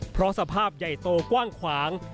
เพราะสภาพใหญ่โตกว้างขวาง